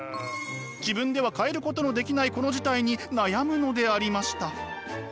自分では変えることのできないこの事態に悩むのでありました。